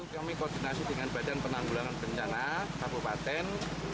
kami koordinasi dengan badan penanggulangan bencana kabupaten